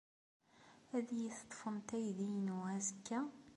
Ad iyi-teṭṭfemt aydi-inu azekka?